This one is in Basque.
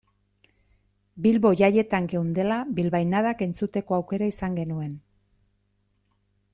Bilbo jaietan geundela bilbainadak entzuteko aukera izan genuen.